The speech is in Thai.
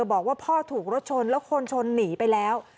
บอกว่าพ่อถูกรถชนแล้วคนชนหนีไปแล้ว